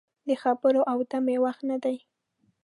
د خبرو او دمې وخت نه دی.